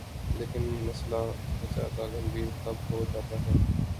لیکن مسئلہ زیادہ گمبھیر تب ہو جاتا ہے۔